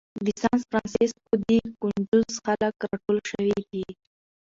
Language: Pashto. د سان فرانسیسکو دې کونچوز خلک راټول شوي دي.